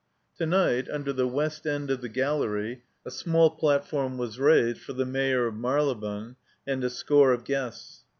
To night, under the west end of the gallery, a small platform was raised for the Mayor of Marylebone and a score of guests.